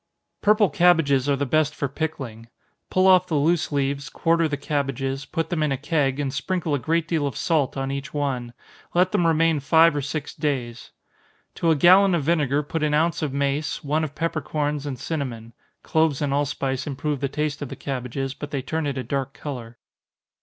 _ Purple cabbages are the best for pickling. Pull off the loose leaves, quarter the cabbages, put them in a keg, and sprinkle a great deal of salt, on each one let them remain five or six days. To a gallon of vinegar put an ounce of mace, one of peppercorns and cinnamon, (cloves and allspice improve the taste of the cabbages, but they turn it a dark color.)